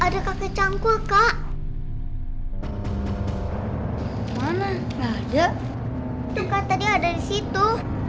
hai ada kakek canggul kak mana ada itu katanya ada di situ